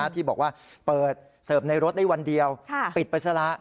ที่บอกว่าเปิดเสิร์ฟในรถได้วันเดียวปิดไปซะละ